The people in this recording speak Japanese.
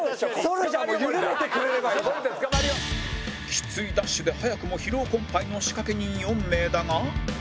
きついダッシュで早くも疲労困憊の仕掛人４名だが